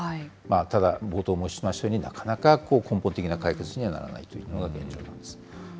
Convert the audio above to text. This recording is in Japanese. ただ、冒頭申しましたように、なかなか根本的な解決にはならないというのが現状なんです。